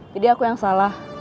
jadi aku yang salah